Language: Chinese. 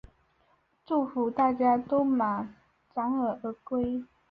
祝福大家都满载而归